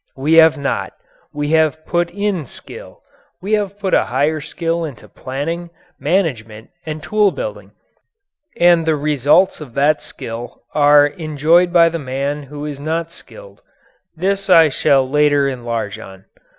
We have not. We have put in skill. We have put a higher skill into planning, management, and tool building, and the results of that skill are enjoyed by the man who is not skilled. This I shall later enlarge on.